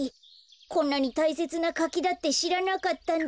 こんなにたいせつなかきだってしらなかったんだ。